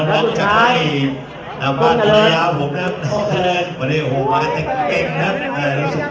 น้องนกชักไฟน้องบาดนายาผมนะครับพะเด็ดโหมากันเต็มเต็มครับ